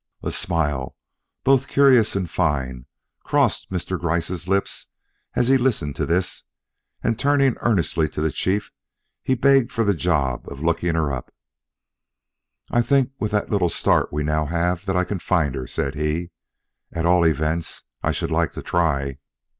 A smile, both curious and fine, crossed Mr. Gryce's lips as he listened to this, and turning earnestly to the Chief, he begged for the job of looking her up. "I think with the little start we now have that I can find her," said he. "At all events, I should like to try."